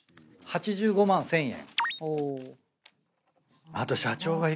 ８５万１，０００円。